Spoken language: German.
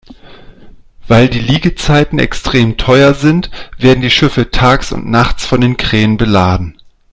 Weil die Liegezeiten extrem teuer sind, werden die Schiffe tags und nachts von Kränen beladen.